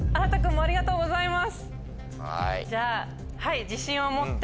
ありがとうございます。